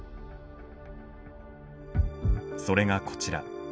それがこちら。